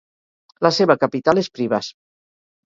La seva capital és Privas.